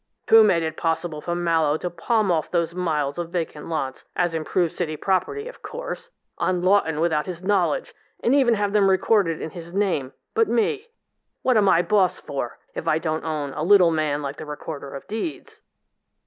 Who made it possible for Mallowe to palm off those miles of vacant lots as improved city property, of course on Lawton without his knowledge, and even have them recorded in his name, but me? What am I boss for, if I don't own a little man like the Recorder of Deeds?'"